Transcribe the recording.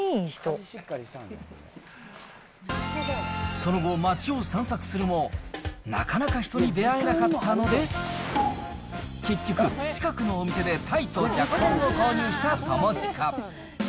その後、街を散策するも、なかなか人に出会えなかったので、結局、近くのお店で鯛とじゃこ天を購入した友近。